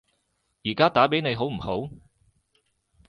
而家打畀你好唔好？